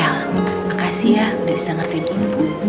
el makasih ya udah bisa ngertiin ibu